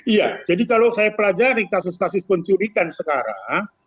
iya jadi kalau saya pelajari kasus kasus pencurikan sekarang